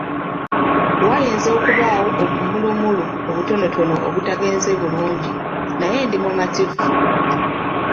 Wayinza okubaawo obumulumulu obutonotono obutagenze bulungi naye ndi mumativu.